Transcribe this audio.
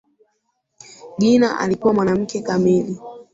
Gina alikuwa mwanamke kamili